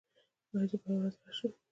ایا زه بله ورځ راشم؟